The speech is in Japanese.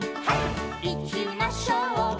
「いきましょう」